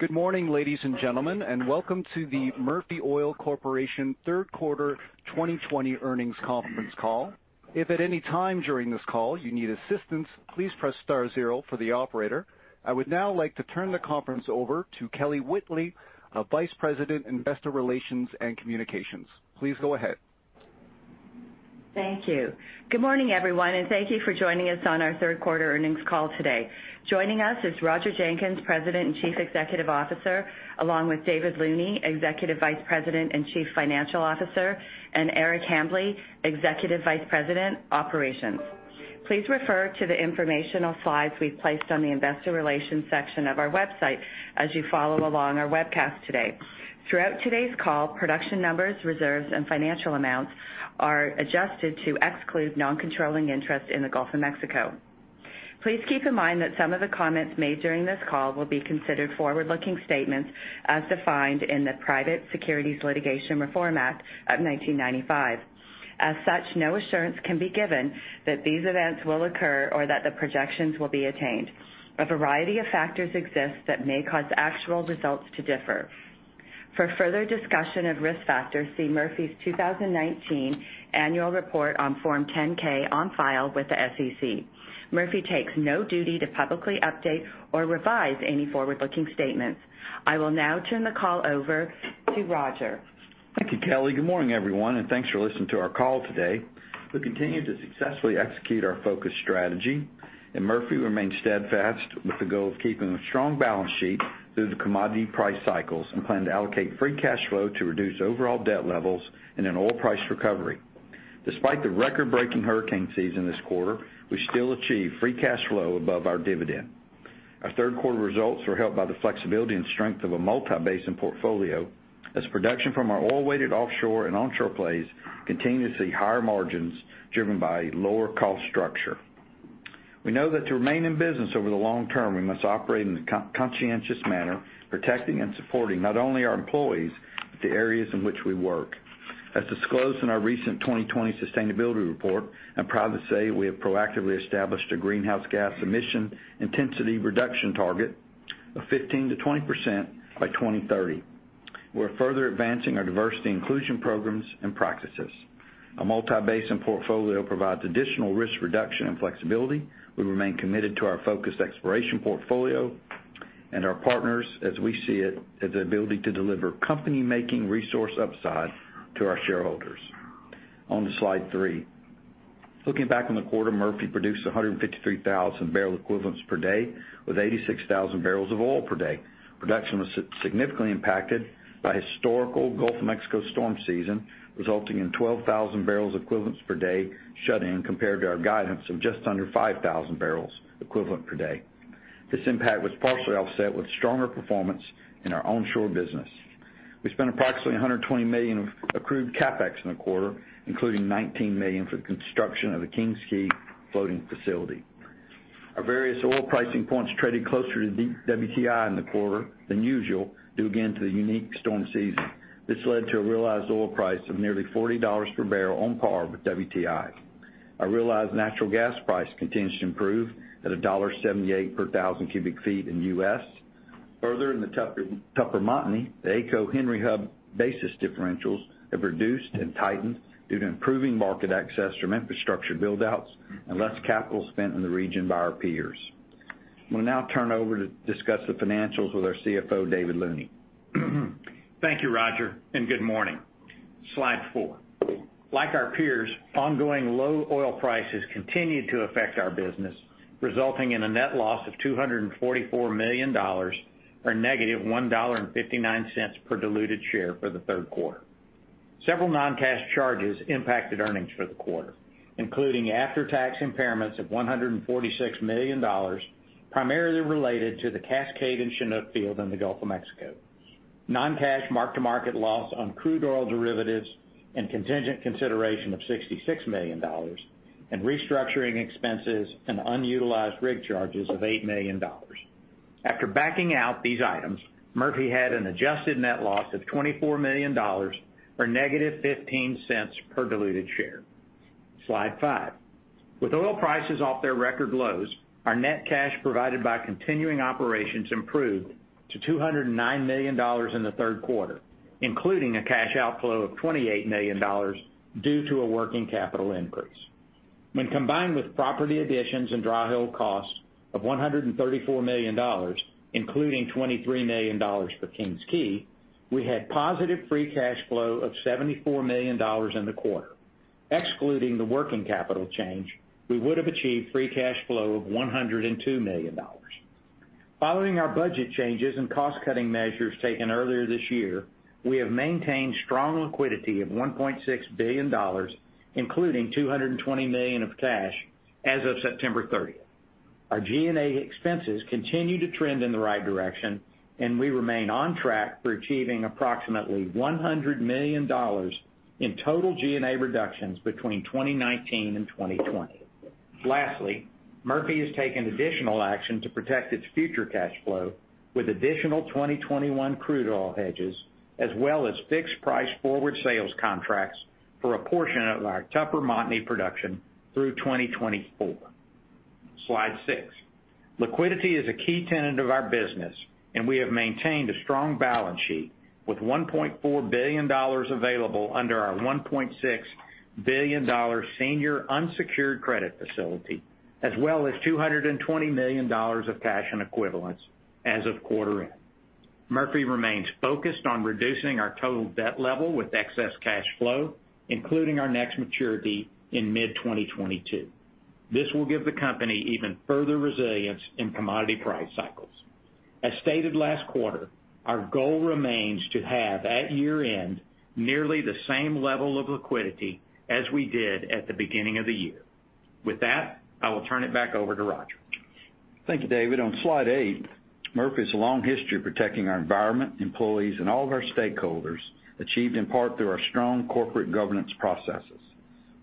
Good morning, ladies and gentlemen. Welcome to the Murphy Oil Corporation third quarter 2020 earnings conference call. If at any time during this call you need assistance, please press star zero for the operator. I would now like to turn the conference over to Kelly Whitley, our Vice President, Investor Relations and Communications. Please go ahead. Thank you. Good morning, everyone, and thank you for joining us on our third quarter earnings call today. Joining us is Roger Jenkins, President and Chief Executive Officer, along with David Looney, Executive Vice President and Chief Financial Officer, and Eric Hambly, Executive Vice President, Operations. Please refer to the informational slides we've placed on the investor relations section of our website as you follow along our webcast today. Throughout today's call, production numbers, reserves, and financial amounts are adjusted to exclude non-controlling interest in the Gulf of Mexico. Please keep in mind that some of the comments made during this call will be considered forward-looking statements as defined in the Private Securities Litigation Reform Act of 1995. As such, no assurance can be given that these events will occur or that the projections will be attained. A variety of factors exist that may cause actual results to differ. For further discussion of risk factors, see Murphy's 2019 annual report on Form 10-K on file with the SEC. Murphy takes no duty to publicly update or revise any forward-looking statements. I will now turn the call over to Roger. Thank you, Kelly. Good morning, everyone, and thanks for listening to our call today. We continue to successfully execute our focus strategy, and Murphy remains steadfast with the goal of keeping a strong balance sheet through the commodity price cycles and plan to allocate free cash flow to reduce overall debt levels in an oil price recovery. Despite the record-breaking hurricane season this quarter, we still achieved free cash flow above our dividend. Our third quarter results were helped by the flexibility and strength of a multi-basin portfolio, as production from our oil-weighted offshore and onshore plays continue to see higher margins driven by lower cost structure. We know that to remain in business over the long term, we must operate in a conscientious manner, protecting and supporting not only our employees, but the areas in which we work. As disclosed in our recent 2020 sustainability report, I'm proud to say we have proactively established a greenhouse gas emission intensity reduction target of 15%-20% by 2030. We're further advancing our diversity inclusion programs and practices. Our multi-basin portfolio provides additional risk reduction and flexibility. We remain committed to our focused exploration portfolio and our partners, as we see it, as the ability to deliver company-making resource upside to our shareholders. On to slide three. Looking back on the quarter, Murphy produced 153,000 bbl equivalents per day with 86,000 bbl of oil per day. Production was significantly impacted by historical Gulf of Mexico storm season, resulting in 12,000 bbl equivalents per day shut-in compared to our guidance of just under 5,000 bbl equivalent per day. This impact was partially offset with stronger performance in our onshore business. We spent approximately $120 million of accrued CapEx in the quarter, including $19 million for the construction of the King's Quay floating facility. Our various oil pricing points traded closer to WTI in the quarter than usual, due again to the unique storm season. This led to a realized oil price of nearly $40 per barrel on par with WTI. Our realized natural gas price continues to improve at $1.78 per 1,000 cu ft in the U.S. Further, in the Tupper Montney, the AECO Henry Hub basis differentials have reduced and tightened due to improving market access from infrastructure build-outs and less capital spent in the region by our peers. We'll now turn over to discuss the financials with our CFO, David Looney. Thank you, Roger, good morning. Slide four. Like our peers, ongoing low oil prices continued to affect our business, resulting in a net loss of $244 million, or -$1.59 per diluted share for the third quarter. Several non-cash charges impacted earnings for the quarter, including after-tax impairments of $146 million, primarily related to the Cascade and Chinook field in the Gulf of Mexico. Non-cash mark-to-market loss on crude oil derivatives and contingent consideration of $66 million, restructuring expenses and unutilized rig charges of $8 million. After backing out these items, Murphy had an adjusted net loss of $24 million, or -$0.15 per diluted share. Slide five. With oil prices off their record lows, our net cash provided by continuing operations improved to $209 million in the third quarter, including a cash outflow of $28 million due to a working capital increase. When combined with property additions and dry hole costs of $134 million, including $23 million for King's Quay, we had positive free cash flow of $74 million in the quarter. Excluding the working capital change, we would have achieved free cash flow of $102 million. Following our budget changes and cost-cutting measures taken earlier this year, we have maintained strong liquidity of $1.6 billion, including $220 million of cash as of September 30th. Our G&A expenses continue to trend in the right direction, and we remain on track for achieving approximately $100 million in total G&A reductions between 2019 and 2020. Lastly, Murphy has taken additional action to protect its future cash flow with additional 2021 crude oil hedges, as well as fixed price forward sales contracts for a portion of our Tupper Montney production through 2024. Slide six. Liquidity is a key tenet of our business, and we have maintained a strong balance sheet with $1.4 billion available under our $1.6 billion senior unsecured credit facility, as well as $220 million of cash and equivalents as of quarter end. Murphy remains focused on reducing our total debt level with excess cash flow, including our next maturity in mid-2022. This will give the company even further resilience in commodity price cycles. As stated last quarter, our goal remains to have at year-end, nearly the same level of liquidity as we did at the beginning of the year. With that, I will turn it back over to Roger. Thank you, David. On slide eight, Murphy has a long history of protecting our environment, employees, and all of our stakeholders, achieved in part through our strong corporate governance processes.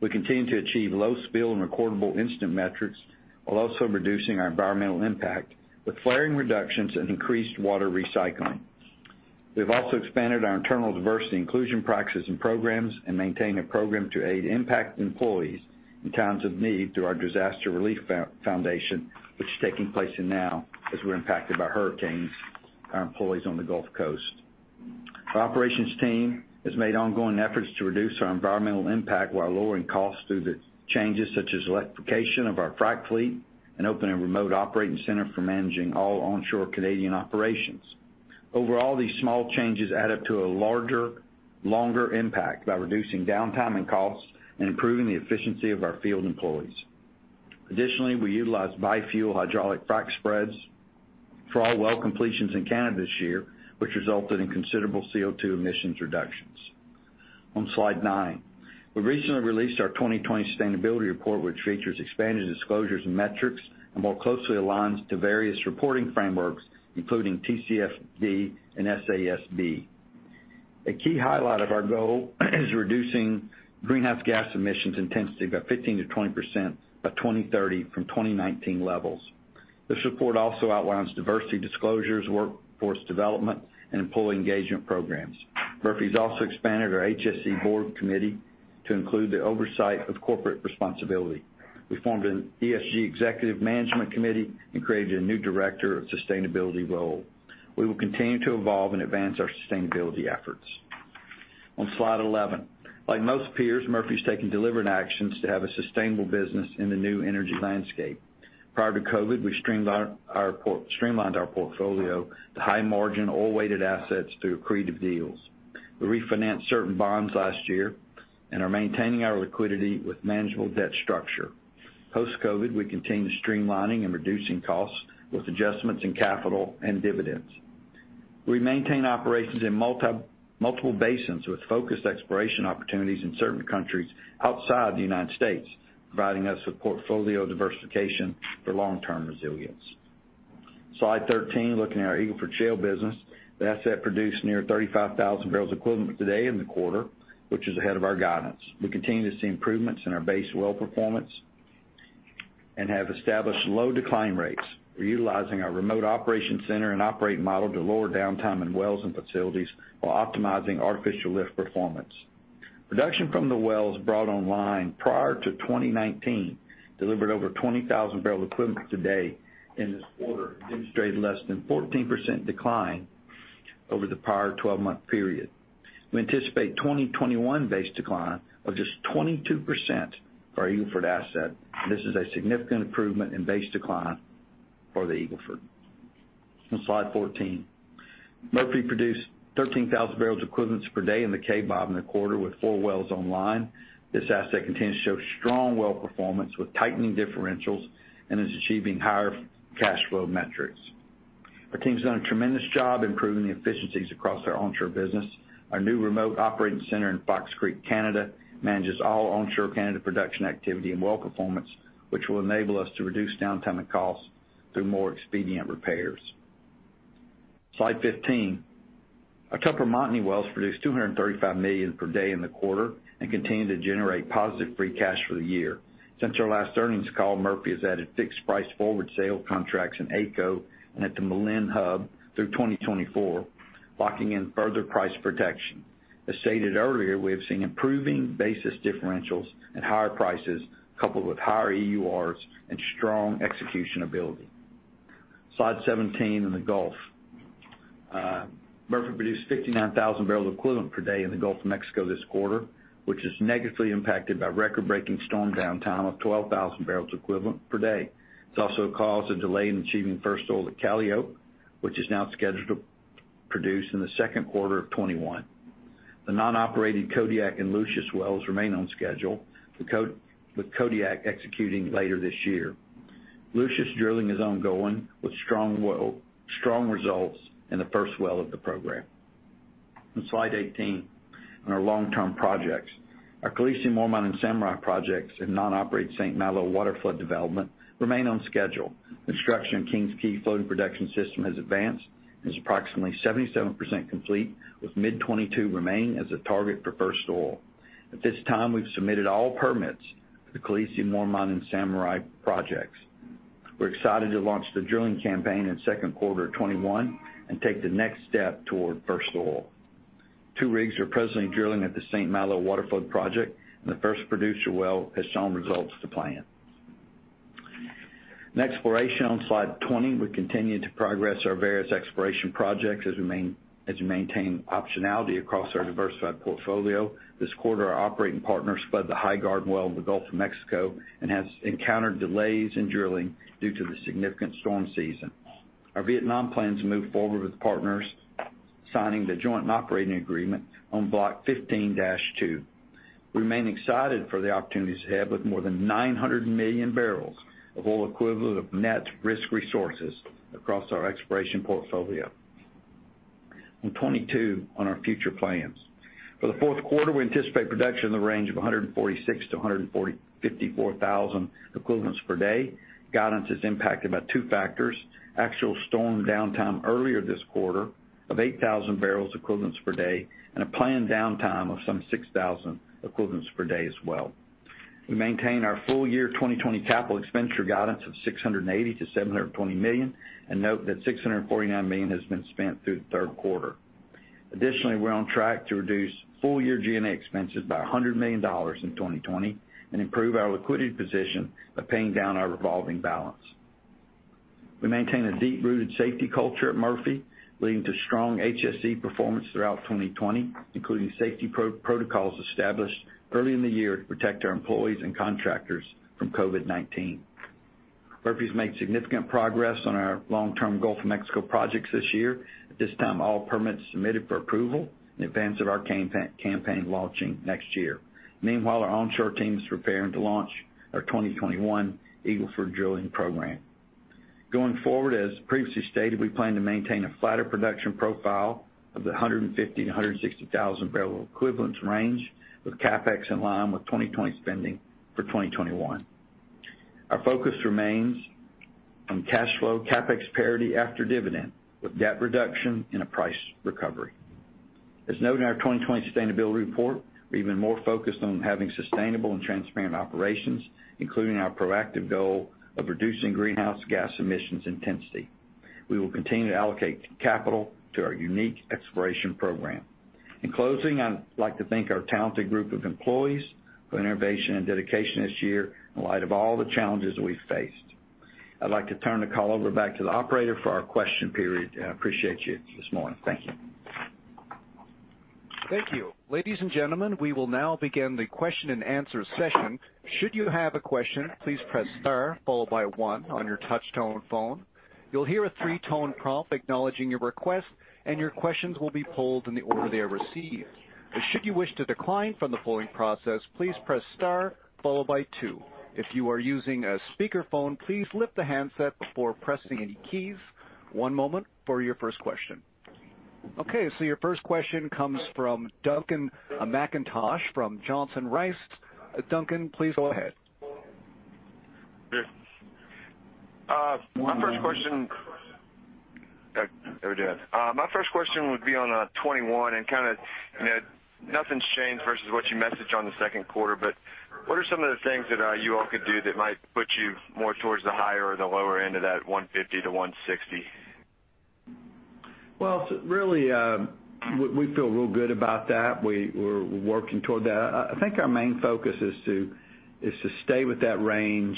We continue to achieve low spill and recordable incident metrics, while also reducing our environmental impact with flaring reductions and increased water recycling. We've also expanded our internal diversity inclusion practices and programs and maintain a program to aid impacted employees in times of need through our disaster relief foundation, which is taking place in now as we're impacted by hurricanes, our employees on the Gulf Coast. Our operations team has made ongoing efforts to reduce our environmental impact while lowering costs through the changes such as electrification of our frac fleet and opening a remote operating center for managing all onshore Canadian operations. Overall, these small changes add up to a larger, longer impact by reducing downtime and costs and improving the efficiency of our field employees. Additionally, we utilize bi-fuel hydraulic frac spreads for all well completions in Canada this year, which resulted in considerable CO2 emissions reductions. On slide nine. We recently released our 2020 sustainability report, which features expanded disclosures and metrics, and more closely aligns to various reporting frameworks, including TCFD and SASB. A key highlight of our goal is reducing greenhouse gas emissions intensity by 15%-20% by 2030 from 2019 levels. This report also outlines diversity disclosures, workforce development, and employee engagement programs. Murphy Oil's also expanded our HSE board committee to include the oversight of corporate responsibility. We formed an ESG executive management committee and created a new director of sustainability role. We will continue to evolve and advance our sustainability efforts. On slide 11. Like most peers, Murphy's taken deliberate actions to have a sustainable business in the new energy landscape. Prior to COVID, we streamlined our portfolio to high margin, oil-weighted assets through accretive deals. We refinanced certain bonds last year and are maintaining our liquidity with manageable debt structure. Post-COVID, we continue streamlining and reducing costs with adjustments in capital and dividends. We maintain operations in multiple basins with focused exploration opportunities in certain countries outside the United States, providing us with portfolio diversification for long-term resilience. Slide 13, looking at our Eagle Ford Shale business. The asset produced near 35,000 bbl equivalent a day in the quarter, which is ahead of our guidance. We continue to see improvements in our base well performance and have established low decline rates. We're utilizing our remote operation center and operating model to lower downtime in wells and facilities while optimizing artificial lift performance. Production from the wells brought online prior to 2019 delivered over 20,000 BOE a day in this quarter, demonstrating less than 14% decline over the prior 12-month period. We anticipate 2021 base decline of just 22% for our Eagle Ford asset. This is a significant improvement in base decline for the Eagle Ford. On Slide 14. Murphy produced 13,000 BOE per day in the Kaybob in the quarter with four wells online. This asset continues to show strong well performance with tightening differentials and is achieving higher cash flow metrics. Our team's done a tremendous job improving the efficiencies across our onshore business. Our new remote operating center in Fox Creek, Canada, manages all onshore Canada production activity and well performance, which will enable us to reduce downtime and costs through more expedient repairs. Slide 15. Our Tupper Montney wells produced 235 million per day in the quarter and continue to generate positive free cash for the year. Since our last earnings call, Murphy has added fixed price forward sale contracts in AECO and at the Malin Hub through 2024, locking in further price protection. As stated earlier, we have seen improving basis differentials and higher prices coupled with higher EURs and strong execution ability. Slide 17 in the Gulf. Murphy produced 59,000 bbl equivalent per day in the Gulf of Mexico this quarter, which is negatively impacted by record-breaking storm downtime of 12,000 bbl equivalent per day. It's also a cause of delay in achieving first oil at Calliope, which is now scheduled to produce in the second quarter of 2021. The non-operated Kodiak and Lucius wells remain on schedule, with Kodiak executing later this year. Lucius drilling is ongoing with strong results in the first well of the program. On slide 18, on our long-term projects. Our Khaleesi, Mormont, and Samurai projects and non-operated St. Malo Waterflood development remain on schedule. Construction of King's Quay floating production system has advanced and is approximately 77% complete with mid 2022 remaining as a target for first oil. At this time, we've submitted all permits for the Khaleesi, Mormont, and Samurai projects. We're excited to launch the drilling campaign in second quarter 2021, and take the next step toward first oil. Two rigs are presently drilling at the St. Malo Waterflood project, and the first producer well has shown results to plan. In exploration, on slide 20, we continue to progress our various exploration projects as we maintain optionality across our diversified portfolio. This quarter, our operating partner spud the Highgarden well in the Gulf of Mexico, and has encountered delays in drilling due to the significant storm season. Our Vietnam plans move forward with partners signing the joint operating agreement on Block 15-2. We remain excited for the opportunities ahead with more than 900 million bbl of oil equivalent of net risk resources across our exploration portfolio. On 22, on our future plans. For the fourth quarter, we anticipate production in the range of 146,000-154,000 equivalents per day. Guidance is impacted by two factors, actual storm downtime earlier this quarter of 8,000 bbl equivalents per day, and a planned downtime of some 6,000 equivalents per day as well. We maintain our full year 2020 capital expenditure guidance of $680 million-$720 million, and note that $649 million has been spent through the third quarter. We're on track to reduce full year G&A expenses by $100 million in 2020, and improve our liquidity position by paying down our revolving balance. We maintain a deep-rooted safety culture at Murphy, leading to strong HSE performance throughout 2020, including safety protocols established early in the year to protect our employees and contractors from COVID-19. Murphy's made significant progress on our long-term Gulf of Mexico projects this year. At this time, all permits submitted for approval in advance of our campaign launching next year. Our onshore team is preparing to launch our 2021 Eagle Ford drilling program. As previously stated, we plan to maintain a flatter production profile of the 150,000-160,000 bbl equivalents range, with CapEx in line with 2020 spending for 2021. Our focus remains on cash flow CapEx parity after dividend, with debt reduction and a price recovery. As noted in our 2020 sustainability report, we're even more focused on having sustainable and transparent operations, including our proactive goal of reducing greenhouse gas emissions intensity. We will continue to allocate capital to our unique exploration program. In closing, I'd like to thank our talented group of employees for innovation and dedication this year in light of all the challenges we've faced. I'd like to turn the call over back to the operator for our question period, and I appreciate you this morning. Thank you. Thank you. Ladies and gentlemen, we will now begin the question and answer session. Okay, your first question comes from Duncan Macintosh from Johnson Rice. Duncan, please go ahead. Yes. My first question would be on 2021, and kind of nothing's changed versus what you messaged on the second quarter, but what are some of the things that you all could do that might put you more towards the higher or the lower end of that 150-160? Well, really, we feel real good about that. We're working toward that. I think our main focus is to stay with that range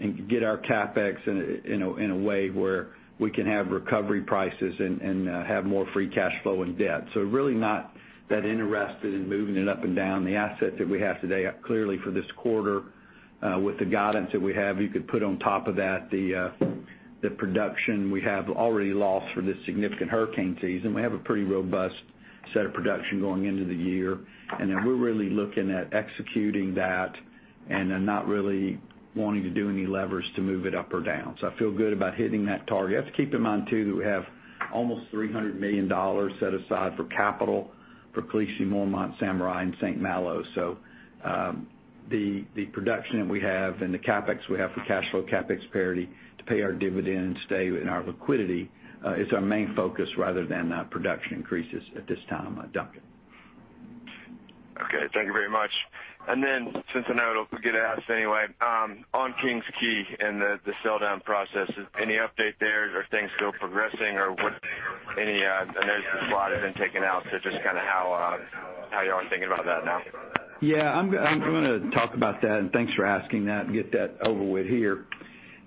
and get our CapEx in a way where we can have recovery prices and have more free cash flow and debt. Really not that interested in moving it up and down. The assets that we have today, clearly for this quarter, with the guidance that we have, you could put on top of that the production we have already lost for this significant hurricane season. We have a pretty robust set of production going into the year, and then we're really looking at executing that and then not really wanting to do any levers to move it up or down. I feel good about hitting that target. You have to keep in mind, too, we have almost $300 million set aside for capital for Khaleesi, Mormont, Samurai, and St. Malo. The production that we have and the CapEx we have for cash flow CapEx parity to pay our dividend and stay in our liquidity, is our main focus rather than production increases at this time, Duncan. Okay. Thank you very much. Since I know it'll get asked anyway, on King's Quay and the sell-down process, any update there? Are things still progressing or I know the slot has been taken out, so just kind of how you all are thinking about that now. I'm going to talk about that, and thanks for asking that, and get that over with here.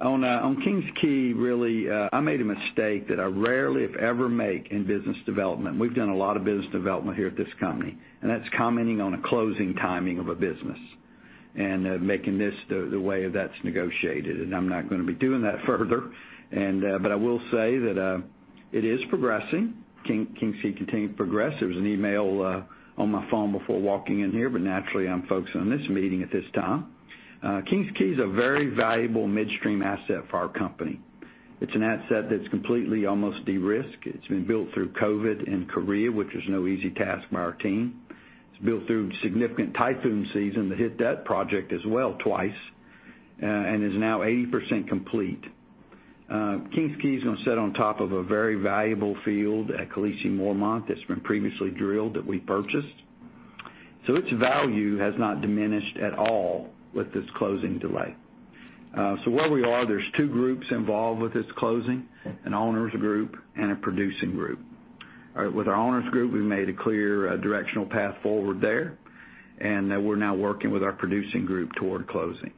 On King's Quay, really, I made a mistake that I rarely, if ever, make in business development. We've done a lot of business development here at this company, and that's commenting on a closing timing of a business, and making this the way that's negotiated. I'm not going to be doing that further. I will say that it is progressing. King's Quay continued to progress. There was an email on my phone before walking in here, but naturally, I'm focused on this meeting at this time. King's Quay is a very valuable midstream asset for our company. It's an asset that's completely almost de-risked. It's been built through COVID and Korea, which was no easy task by our team. It's built through significant typhoon season that hit that project as well twice, and is now 80% complete. King's Quay is going to sit on top of a very valuable field at Khaleesi, Mormont, that's been previously drilled, that we purchased. Its value has not diminished at all with this closing delay. Where we are, there's two groups involved with this closing, an owners group and a producing group. All right. With our owners group, we made a clear directional path forward there, and we're now working with our producing group toward closing.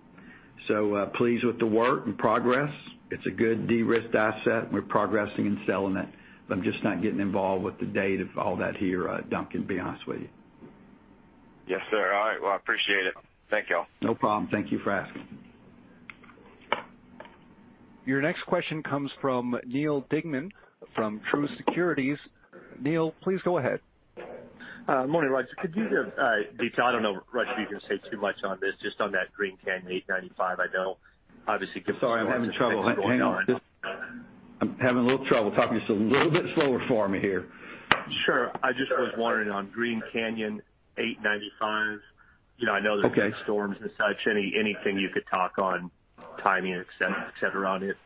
Pleased with the work and progress. It's a good de-risked asset, and we're progressing in selling it, but I'm just not getting involved with the date of all that here, Duncan, to be honest with you. Yes, sir. All right. Well, I appreciate it. Thank you all. No problem. Thank you for asking. Your next question comes from Neal Dingmann from Truist Securities. Neal, please go ahead. Morning, Roger. Could you give detail, I don't know, Roger, if you can say too much on this, just on that Green Canyon 895. Sorry, I'm having trouble. Hang on. I'm having a little trouble. Talk just a little bit slower for me here. Sure. I just was wondering on Green Canyon 895. Okay. Been storms and such. Anything you could talk on timing, etc, on it?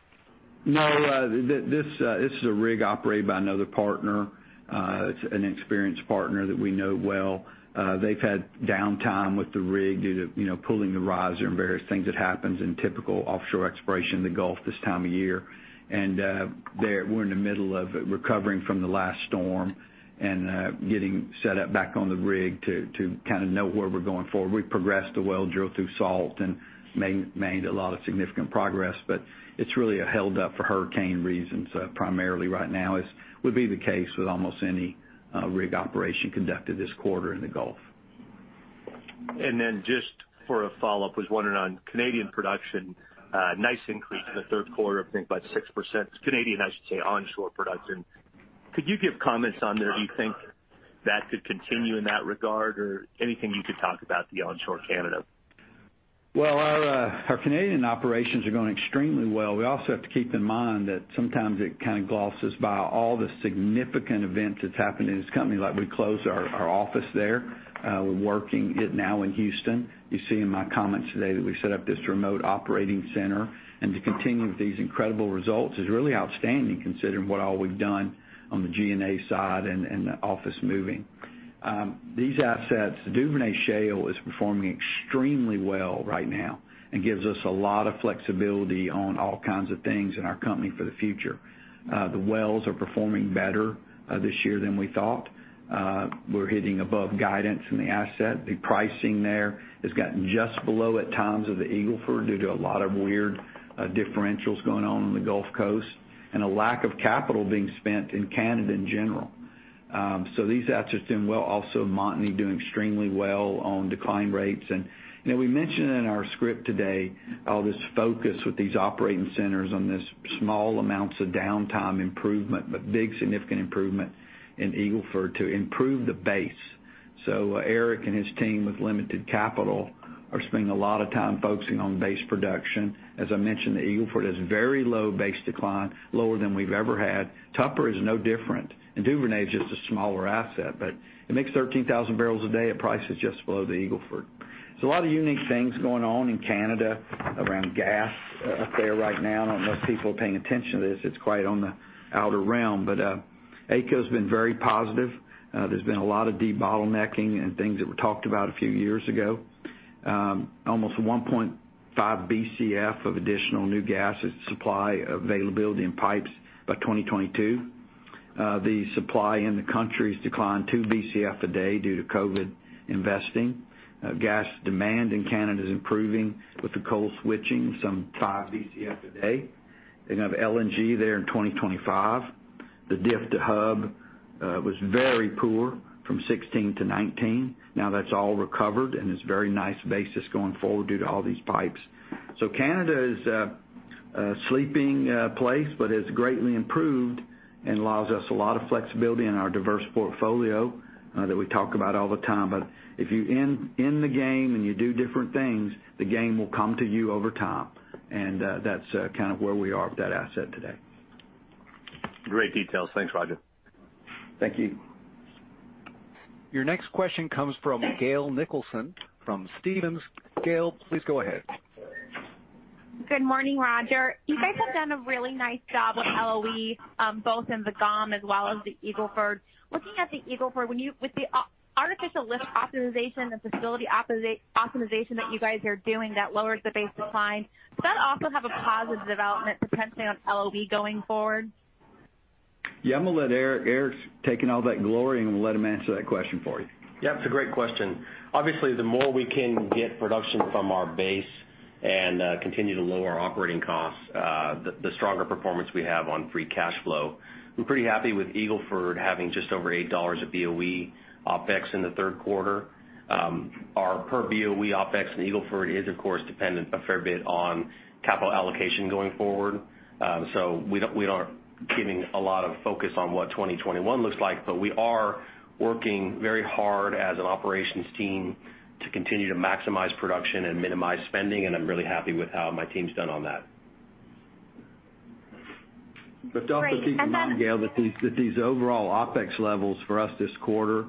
No. This is a rig operated by another partner. It's an experienced partner that we know well. They've had downtime with the rig due to pulling the riser and various things that happens in typical offshore exploration in the Gulf this time of year. We're in the middle of recovering from the last storm and getting set up back on the rig to know where we're going forward. We progressed the well, drilled through salt, and made a lot of significant progress. It's really held up for hurricane reasons, primarily right now, as would be the case with almost any rig operation conducted this quarter in the Gulf. Just for a follow-up, was wondering on Canadian production. Nice increase in the third quarter, I think about 6%. Canadian, I should say, onshore production. Could you give comments on there? Do you think that could continue in that regard? Anything you could talk about the onshore Canada? Well, our Canadian operations are going extremely well. We also have to keep in mind that sometimes it kind of glosses by all the significant events that's happened in this company. Like we closed our office there. We're working it now in Houston. You see in my comments today that we set up this remote operating center. To continue with these incredible results is really outstanding considering what all we've done on the G&A side and the office moving. These assets, Duvernay Shale, is performing extremely well right now and gives us a lot of flexibility on all kinds of things in our company for the future. The wells are performing better this year than we thought. We're hitting above guidance in the asset. The pricing there has gotten just below, at times, of the Eagle Ford due to a lot of weird differentials going on in the Gulf Coast and a lack of capital being spent in Canada in general. These assets doing well. Also Montney doing extremely well on decline rates. We mentioned in our script today all this focus with these operating centers on this small amounts of downtime improvement, but big significant improvement in Eagle Ford to improve the base. Eric and his team with limited capital are spending a lot of time focusing on base production. As I mentioned, the Eagle Ford has very low base decline, lower than we've ever had. Tupper is no different, and Duvernay's just a smaller asset, but it makes 13,000 bbl a day at prices just below the Eagle Ford. A lot of unique things going on in Canada around gas up there right now. I don't know if people are paying attention to this. It's quite on the outer realm. AECO's been very positive. There's been a lot of debottlenecking and things that were talked about a few years ago. Almost 1.5 Bcf of additional new gas supply availability in pipes by 2022. The supply in the country's declined 2 Bcf a day due to COVID investing. Gas demand in Canada is improving with the coal switching, some 5 Bcf a day. They're going to have LNG there in 2025. The diff to hub was very poor from 2016-2019. Now that's all recovered, and it's very nice basis going forward due to all these pipes. Canada is a sleeping place but has greatly improved and allows us a lot of flexibility in our diverse portfolio that we talk about all the time. If you in the game and you do different things, the game will come to you over time, and that's kind of where we are with that asset today. Great details. Thanks, Roger. Thank you. Your next question comes from Gail Nicholson from Stephens. Gail, please go ahead. Good morning, Roger. You guys have done a really nice job with LOE, both in the GOM as well as the Eagle Ford. Looking at the Eagle Ford, with the artificial lift optimization, the facility optimization that you guys are doing that lowers the base decline, does that also have a positive development potentially on LOE going forward? I'm going to let Eric. Eric's taking all that glory, and I'm going to let him answer that question for you. Yep, it's a great question. Obviously, the more we can get production from our base and continue to lower our operating costs, the stronger performance we have on free cash flow. I'm pretty happy with Eagle Ford having just over $8 of BOE OpEx in the third quarter. Our per BOE OpEx in Eagle Ford is of course dependent a fair bit on capital allocation going forward. We aren't giving a lot of focus on what 2021 looks like, but we are working very hard as an operations team to continue to maximize production and minimize spending, and I'm really happy with how my team's done on that. Great. Don't forget, Gail, that these overall OpEx levels for us this quarter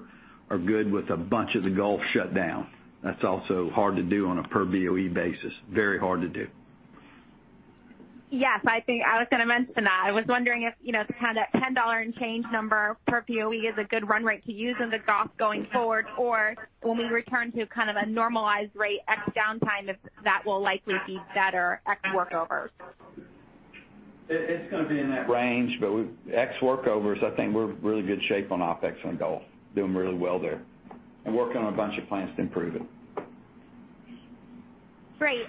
are good with a bunch of the Gulf shut down. That's also hard to do on a per BOE basis. Very hard to do. Yes, I was going to mention that. I was wondering if the $10 and change number per BOE is a good run rate to use in the Gulf going forward, or when we return to kind of a normalized rate, X downtime, if that will likely be better ex-workovers. Ex-workovers, I think we're in really good shape on OpEx on Gulf. Doing really well there. Working on a bunch of plans to improve it. Great.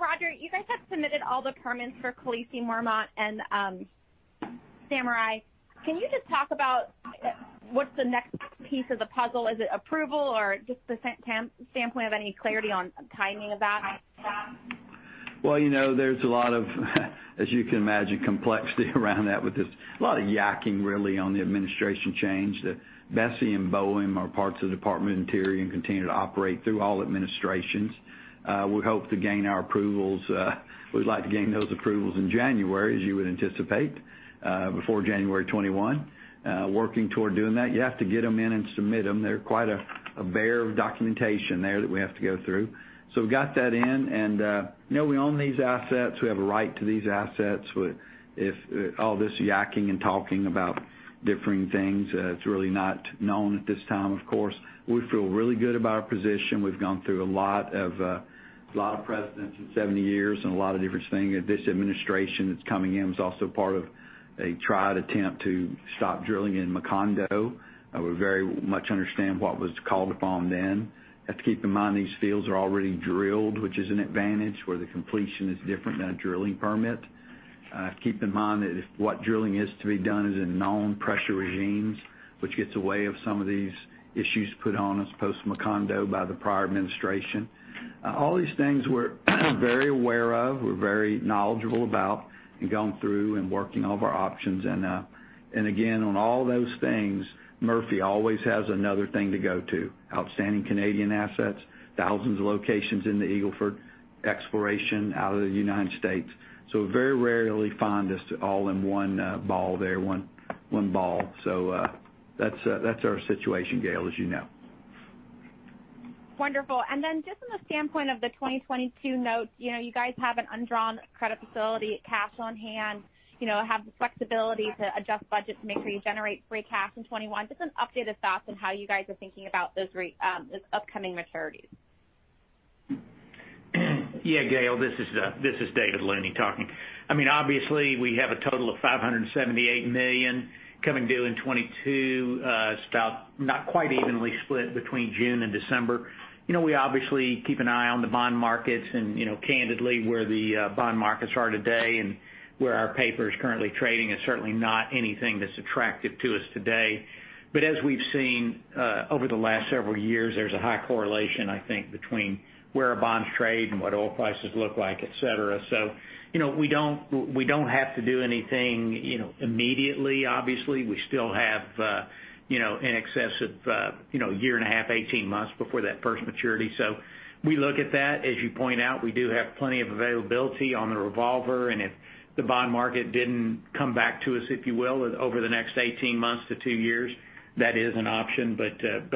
Roger, you guys have submitted all the permits for Khaleesi, Mormont, and Samurai. Can you just talk about what's the next piece of the puzzle? Is it approval or just the standpoint of any clarity on timing of that? Well, there's a lot of as you can imagine, complexity around that with this. A lot of yakking, really, on the administration change. The BOEM are parts of the Department of the Interior and continue to operate through all administrations. We'd like to gain those approvals in January, as you would anticipate, before January 21. Working toward doing that. You have to get them in and submit them. They're quite a bear of documentation there that we have to go through. We've got that in and we own these assets. We have a right to these assets. If all this yakking and talking about differing things, it's really not known at this time, of course. We feel really good about our position. We've gone through a lot of presidents in 70 years and a lot of different things. This administration that's coming in was also part of a triad attempt to stop drilling in Macondo. We very much understand what was called upon then. Have to keep in mind, these fields are already drilled, which is an advantage, where the completion is different than a drilling permit. Keep in mind that if what drilling is to be done is in known pressure regimes, which gets away of some of these issues put on us, post Macondo, by the prior administration. All these things we're very aware of, we're very knowledgeable about, going through and working all of our options. Again, on all those things, Murphy always has another thing to go to. Outstanding Canadian assets, thousands of locations in the Eagle Ford, exploration out of the United States. Very rarely find this all in one ball there, one ball. That's our situation, Gail, as you know. Wonderful. Then just from the standpoint of the 2022 notes, you guys have an undrawn credit facility, cash on hand, have the flexibility to adjust budgets to make sure you generate free cash in 2021. Just an update of thoughts on how you guys are thinking about those upcoming maturities? Yeah, Gail, this is David Looney talking. Obviously, we have a total of $578 million coming due in 2022. It's about not quite evenly split between June and December. We obviously keep an eye on the bond markets, candidly, where the bond markets are today and where our paper is currently trading is certainly not anything that's attractive to us today. As we've seen over the last several years, there's a high correlation, I think, between where our bonds trade and what oil prices look like, etc. We don't have to do anything immediately, obviously. We still have in excess of a year and a half, 18 months, before that first maturity. We look at that. As you point out, we do have plenty of availability on the revolver, and if the bond market didn't come back to us, if you will, over the next 18 months to two years, that is an option.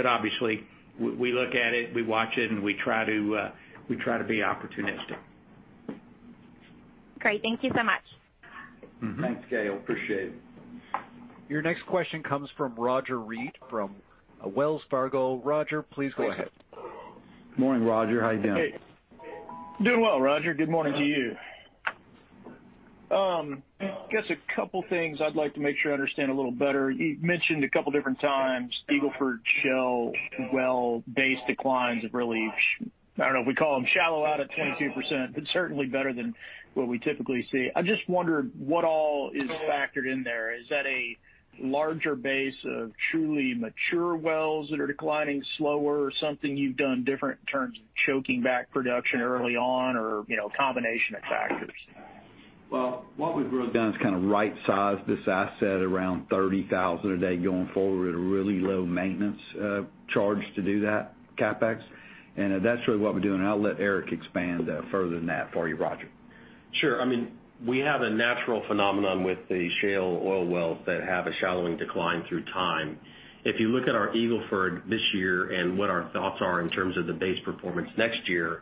Obviously, we look at it, we watch it, and we try to be opportunistic. Great. Thank you so much. Thanks, Gail. Appreciate it. Your next question comes from Roger Read from Wells Fargo. Roger, please go ahead. Morning, Roger. How you doing? Hey. Doing well, Roger. Good morning to you. Guess a couple things I'd like to make sure I understand a little better. You mentioned a couple different times, Eagle Ford shale well base declines have really, I don't know if we call them shallow out at 22%, certainly better than what we typically see. I'm just wondering what all is factored in there. Is that a larger base of truly mature wells that are declining slower or something you've done different in terms of choking back production early on, or a combination of factors? Well, what we've really done is kind of right-sized this asset around 30,000 a day going forward at a really low maintenance charge to do that CapEx. That's really what we're doing, and I'll let Eric expand further than that for you, Roger. Sure. We have a natural phenomenon with the shale oil wells that have a shallowing decline through time. If you look at our Eagle Ford this year and what our thoughts are in terms of the base performance next year,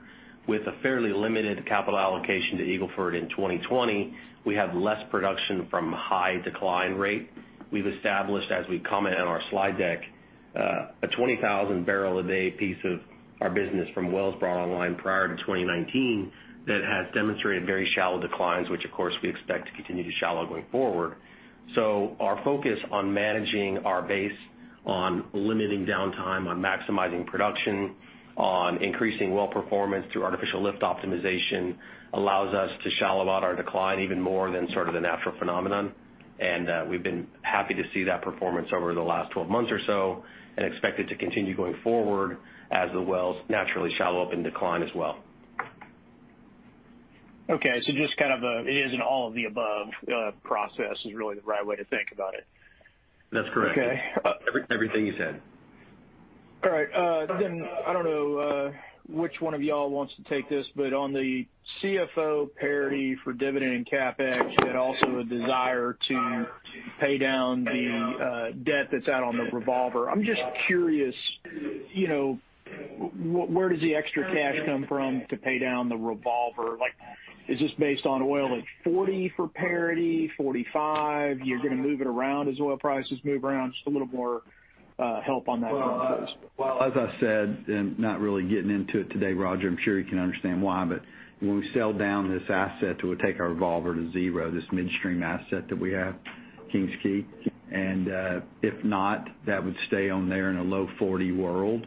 with a fairly limited capital allocation to Eagle Ford in 2020, we have less production from high decline rate. We've established, as we comment on our slide deck, a 20,000 bbl a day piece of our business from wells brought online prior to 2019 that has demonstrated very shallow declines, which of course, we expect to continue to shallow going forward. Our focus on managing our base, on limiting downtime, on maximizing production, on increasing well performance through artificial lift optimization allows us to shallow out our decline even more than sort of the natural phenomenon. We've been happy to see that performance over the last 12 months or so and expect it to continue going forward as the wells naturally shallow up and decline as well. Okay. Just kind of a, it is an all of the above process is really the right way to think about it. That's correct. Okay. Everything you said. All right. I don't know which one of you all wants to take this, but on the cash flow parity for dividend and CapEx, you had also a desire to pay down the debt that's out on the revolver. I'm just curious, where does the extra cash come from to pay down the revolver? Is this based on oil at $40 for parity, $45? You're going to move it around as oil prices move around? Just a little more help on that front, please. As I said, not really getting into it today, Roger, I'm sure you can understand why, when we sell down this asset, it will take our revolver to zero, this midstream asset that we have, King's Quay. If not, that would stay on there in a low $40 world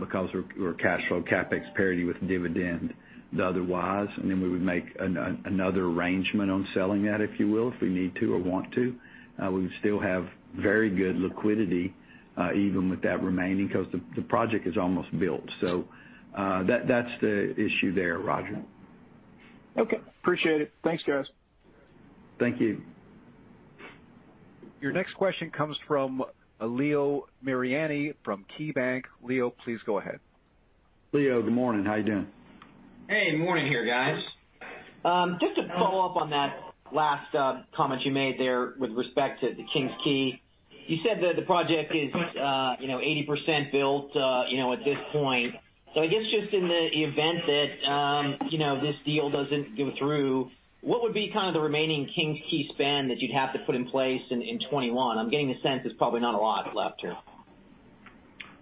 because we're cash flow CapEx parity with dividend the otherwise, then we would make another arrangement on selling that, if you will, if we need to or want to. We would still have very good liquidity even with that remaining, because the project is almost built. That's the issue there, Roger. Okay. Appreciate it. Thanks, guys. Thank you. Your next question comes from Leo Mariani from KeyBanc. Leo, please go ahead. Leo, good morning. How you doing? Hey, morning here, guys. Just to follow up on that last comment you made there with respect to the King's Quay. You said that the project is 80% built at this point. I guess just in the event that this deal doesn't go through, what would be kind of the remaining King's Quay spend that you'd have to put in place in 2021? I'm getting a sense it's probably not a lot left here.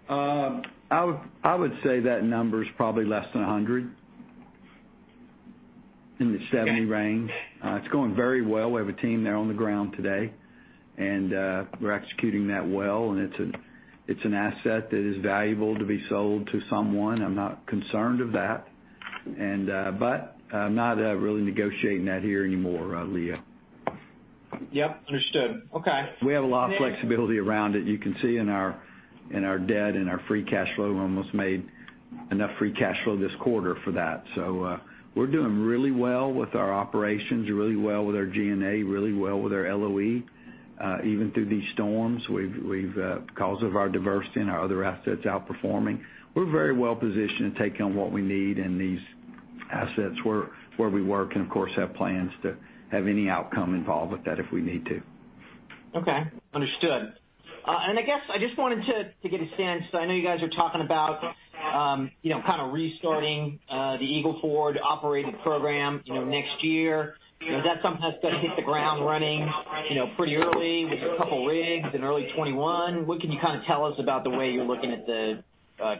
I would say that number's probably less than 100. In the 70 range. It's going very well. We have a team there on the ground today, and we're executing that well, and it's an asset that is valuable to be sold to someone. I'm not concerned of that. I'm not really negotiating that here anymore, Leo. Yep, understood. Okay. We have a lot of flexibility around it. You can see in our debt and our free cash flow, we almost made enough free cash flow this quarter for that. We're doing really well with our operations, really well with our G&A, really well with our LOE. Even through these storms, because of our diversity and our other assets outperforming, we're very well-positioned to take on what we need in these assets where we work, and of course, have plans to have any outcome involved with that if we need to. Okay. Understood. I guess I just wanted to get a sense, I know you guys are talking about kind of restarting the Eagle Ford operating program next year. Is that something that's going to hit the ground running pretty early with a couple rigs in early 2021? What can you kind of tell us about the way you're looking at the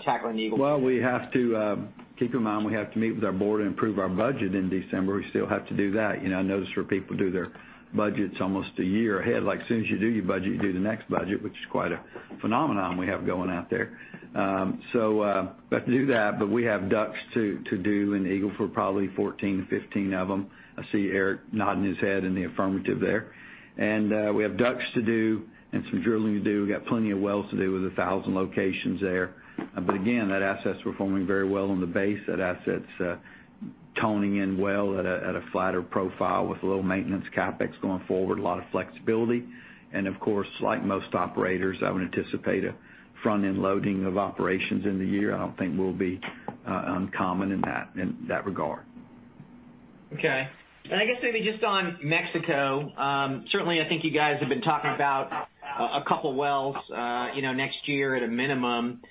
tackling Eagle Ford? Well, keep in mind, we have to meet with our Board and prove our budget in December. We still have to do that. I notice where people do their budgets almost a year ahead. Like, as soon as you do your budget, you do the next budget, which is quite a phenomenon we have going out there. We got to do that, but we have drills to do in Eagle Ford, probably 14, 15 of them. I see Eric nodding his head in the affirmative there. We have drills to do and some drilling to do. We got plenty of wells to do with 1,000 locations there. Again, that asset's performing very well on the base. That asset's tuning in well at a flatter profile with low maintenance CapEx going forward, a lot of flexibility. Of course, like most operators, I would anticipate a front-end loading of operations in the year. I don't think we'll be uncommon in that regard. Okay. I guess maybe just on Mexico, certainly, I think you guys have been talking about a couple wells next year at a minimum.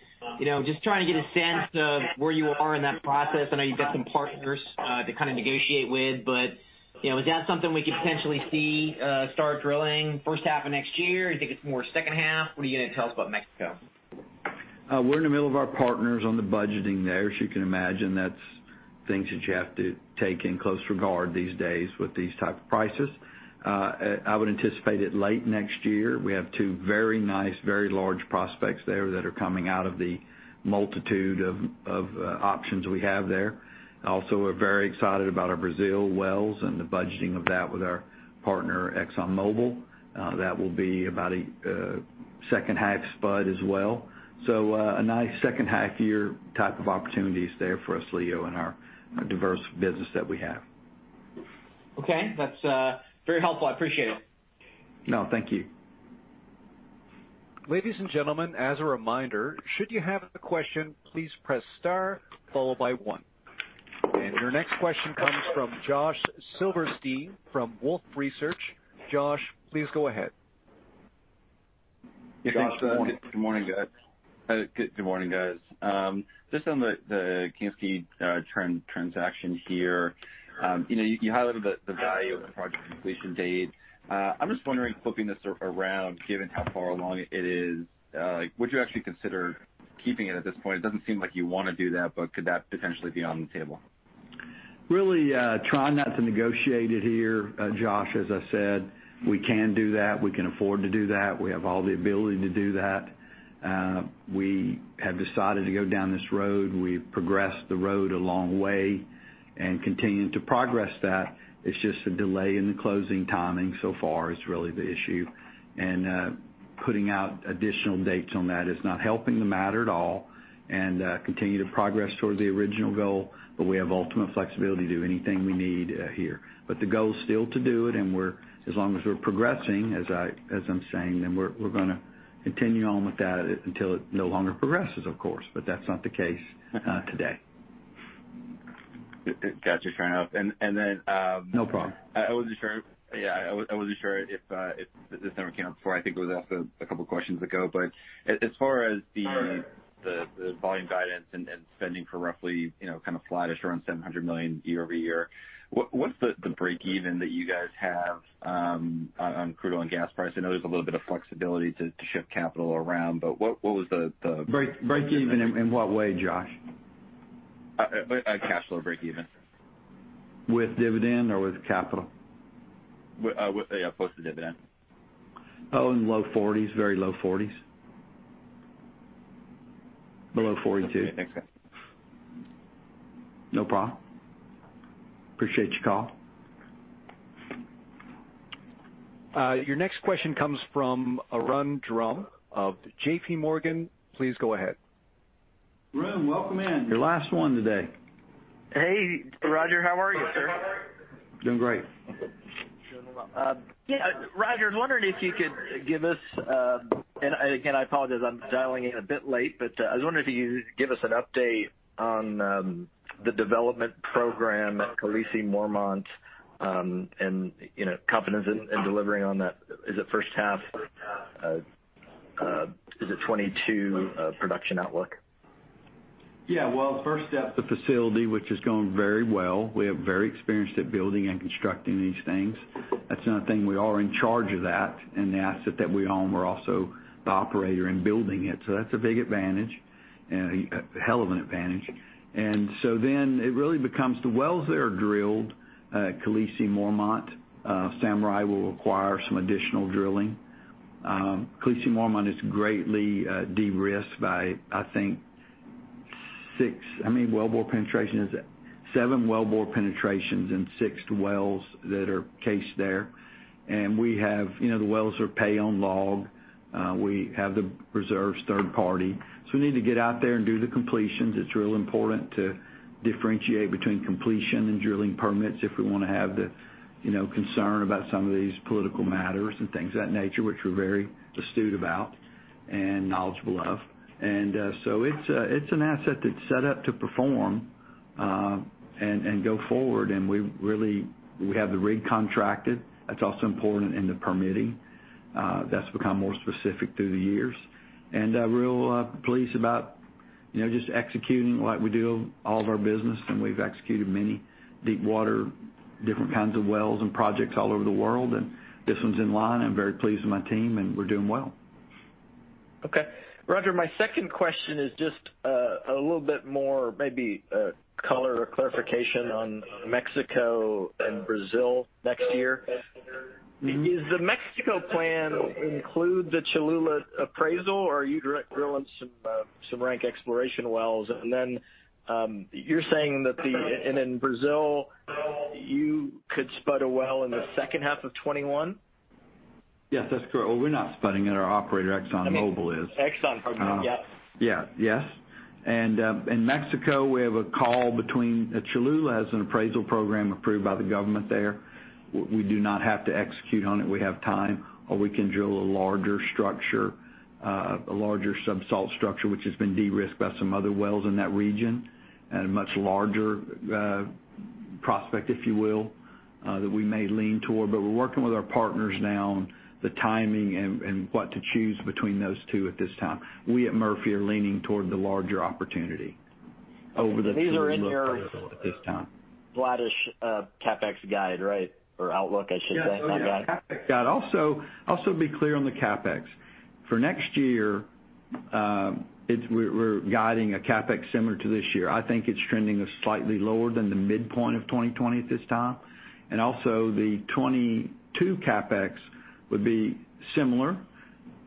Just trying to get a sense of where you are in that process. I know you've got some partners to negotiate with, but is that something we could potentially see start drilling first half of next year? Do you think it's more second half? What are you going to tell us about Mexico? We're in the middle of our partners on the budgeting there. As you can imagine, that's things that you have to take in close regard these days with these type of prices. I would anticipate it late next year. We have two very nice, very large prospects there that are coming out of the multitude of options we have there. We're very excited about our Brazil wells and the budgeting of that with our partner, ExxonMobil. That will be about a second half spud as well. A nice second half year type of opportunity is there for us, Leo, in our diverse business that we have. Okay. That's very helpful. I appreciate it. No, thank you. Ladies and gentlemen, as a reminder, should you have a question, please press star, followed by one. Your next question comes from Josh Silverstein from Wolfe Research. Josh, please go ahead. Josh, good morning. Good morning, guys. Just on the King's Quay transaction here. You highlighted the value of the project completion date. I'm just wondering, flipping this around, given how far along it is, would you actually consider keeping it at this point? It doesn't seem like you want to do that, but could that potentially be on the table? Really trying not to negotiate it here, Josh. As I said, we can do that. We can afford to do that. We have all the ability to do that. We have decided to go down this road. We've progressed the road a long way and continuing to progress that. It's just a delay in the closing timing so far is really the issue. Putting out additional dates on that is not helping the matter at all, and continue to progress toward the original goal. We have ultimate flexibility to do anything we need here. The goal is still to do it, and as long as we're progressing, as I'm saying, then we're going to continue on with that until it no longer progresses, of course. That's not the case today. Got you. Fair enough. No problem. I wasn't sure if this ever came up before. I think it was asked a couple of questions ago. As far as the volume guidance and spending for roughly kind of flattish, around $700 million year-over-year, what's the breakeven that you guys have on crude oil and gas price? I know there's a little bit of flexibility to shift capital around, but what was the- Break even in what way, Josh? Cash flow break even. With dividend or with capital? Post the dividend. Oh, in low $40s. Very low $40s. Below $42. Okay, thanks guys. No problem. Appreciate your call. Your next question comes from Arun Jayaram of JPMorgan. Please go ahead. Arun, welcome in. Your last one today. Hey, Roger. How are you, sir? Doing great. Yeah. Roger, I was wondering if you could give us, and again, I apologize, I'm dialing in a bit late. I was wondering if you could give us an update on the development program at Khaleesi, Mormont, and confidence in delivering on that. Is it first half? Is it 2022 production outlook? First step, the facility, which is going very well. We are very experienced at building and constructing these things. That's another thing, we are in charge of that, an asset that we own. We're also the operator in building it. That's a big advantage, a hell of an advantage. Then it really becomes the wells that are drilled at Khaleesi, Mormont. Samurai will require some additional drilling. Khaleesi, Mormont is greatly de-risked by, I think, six How many wellbore penetration is that? Seven wellbore penetrations and six wells that are cased there. The wells are pay on log. We have the reserves third party. We need to get out there and do the completions. It's real important to differentiate between completion and drilling permits if we want to have the concern about some of these political matters and things of that nature, which we're very astute about and knowledgeable of. It's an asset that's set up to perform, and go forward, and we have the rig contracted. That's also important in the permitting. That's become more specific through the years. Real pleased about just executing like we do all of our business, and we've executed many deepwater, different kinds of wells and projects all over the world, and this one's in line. I'm very pleased with my team, and we're doing well. Okay. Roger, my second question is just a little bit more, maybe color or clarification on Mexico and Brazil next year. Does the Mexico plan include the Cholula appraisal, or are you drilling some rank exploration wells? Then, you're saying that in Brazil, you could spud a well in the second half of 2021? Yes, that's correct. We're not spudding it. Our operator, ExxonMobil is. ExxonMobil, yep. Yes. In Mexico, Cholula has an appraisal program approved by the government there. We do not have to execute on it. We have time, or we can drill a larger subsalt structure, which has been de-risked by some other wells in that region, and a much larger prospect, if you will, that we may lean toward. We're working with our partners now on the timing and what to choose between those two at this time. We at Murphy are leaning toward the larger opportunity over the Cholula appraisal at this time. These are in your flattish CapEx guide, right? Or outlook, I should say. Not guide. Yes. Oh, yeah. CapEx guide. Be clear on the CapEx. For next year, we're guiding a CapEx similar to this year. I think it's trending slightly lower than the midpoint of 2020 at this time. The 2022 CapEx would be similar.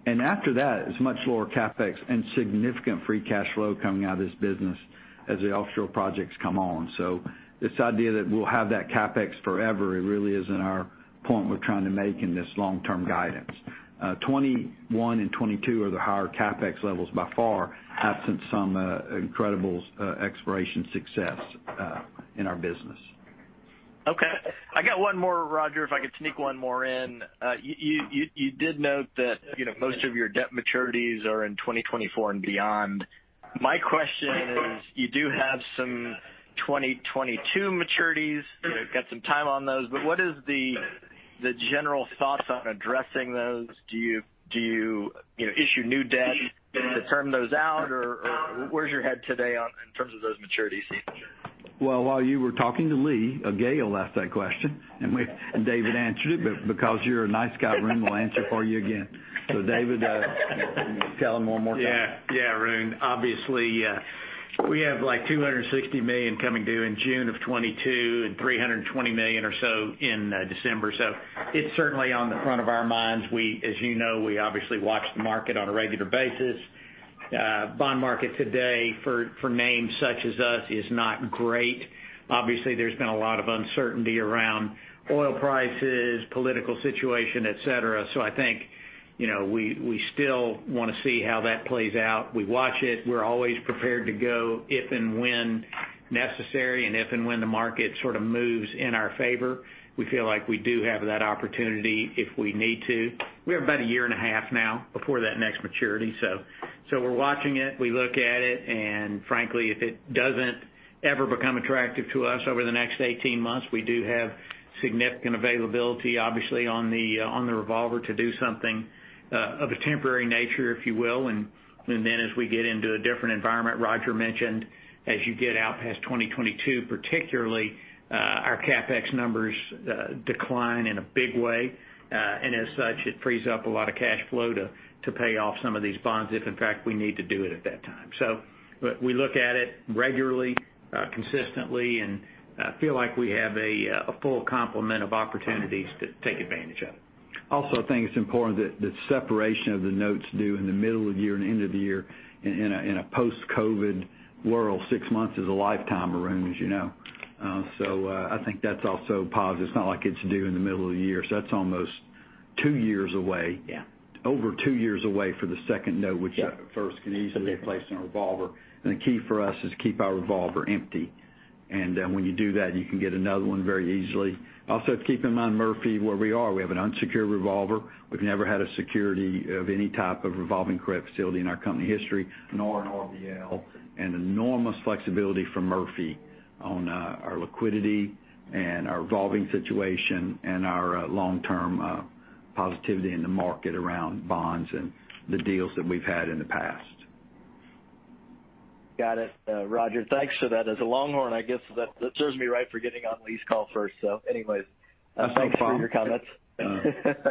After that, it's much lower CapEx and significant free cash flow coming out of this business as the offshore projects come on. This idea that we'll have that CapEx forever, it really isn't our point we're trying to make in this long-term guidance. 2021 and 2022 are the higher CapEx levels by far, absent some incredible exploration success in our business. Okay. I got one more, Roger, if I could sneak one more in. You did note that most of your debt maturities are in 2024 and beyond. My question is, you do have some 2022 maturities. You've got some time on those, but what is the general thoughts on addressing those? Do you issue new debt to term those out, or where's your head today in terms of those maturities? While you were talking to Leo, Gail asked that question, and David answered it. Because you're a nice guy, Arun, we'll answer it for you again. David, tell him one more time. Yeah, Arun. Obviously, we have like $260 million coming due in June 2022 and $320 million or so in December 2022. It's certainly on the front of our minds. As you know, we obviously watch the market on a regular basis. The bond market today for names such as us is not great. Obviously, there's been a lot of uncertainty around oil prices, political situation, et cetera. I think, we still want to see how that plays out. We watch it. We're always prepared to go if and when necessary, and if and when the market sort of moves in our favor. We feel like we do have that opportunity if we need to. We have about a year and a half now before that next maturity. We're watching it. We look at it, frankly, if it doesn't ever become attractive to us over the next 18 months, we do have significant availability, obviously, on the revolver to do something of a temporary nature, if you will. As we get into a different environment, Roger mentioned, as you get out past 2022, particularly, our CapEx numbers decline in a big way. As such, it frees up a lot of cash flow to pay off some of these bonds if, in fact, we need to do it at that time. We look at it regularly, consistently, and feel like we have a full complement of opportunities to take advantage of. I think it's important that the separation of the notes due in the middle of the year and end of the year in a post-COVID world, six months is a lifetime, Arun, as you know. I think that's also positive. It's not like it's due in the middle of the year. That's almost two years away. Yeah. Over two years away for the second note. Yeah. Which first can easily be placed in a revolver. The key for us is to keep our revolver empty. When you do that, you can get another one very easily. Also, keep in mind, Murphy, where we are. We have an unsecured revolver. We've never had a security of any type of revolving credit facility in our company history, nor an RBL. An enormous flexibility for Murphy on our liquidity and our revolving situation and our long-term positivity in the market around bonds and the deals that we've had in the past. Got it. Roger, thanks for that. As a Longhorn, I guess that serves me right for getting on Leo's call first. That's fine. Thanks for your comments.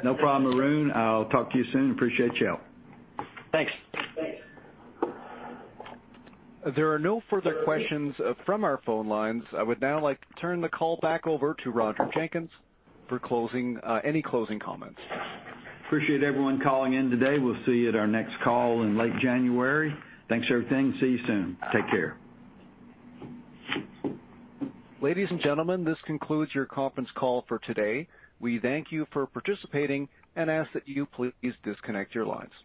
No problem, Arun. I'll talk to you soon. Appreciate your help. Thanks. There are no further questions from our phone lines. I would now like to turn the call back over to Roger Jenkins for any closing comments. Appreciate everyone calling in today. We'll see you at our next call in late January. Thanks for everything. See you soon. Take care. Ladies and gentlemen, this concludes your conference call for today. We thank you for participating and ask that you please disconnect your lines.